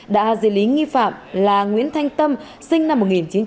đã giới lý nghi phạm là nguyễn thanh tâm sinh năm một nghìn chín trăm chín mươi bảy